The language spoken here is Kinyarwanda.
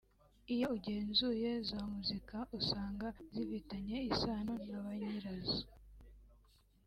Iyo ugenzuye za muzika usanga zifitanye isano na banyirazo